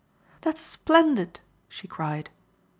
"That's splendid," she cried.